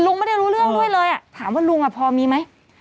ไม่ได้รู้เรื่องด้วยเลยถามว่าลุงพอมีไหม